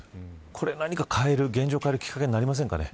これは、何か現状を変えるきっかけになりませんかね。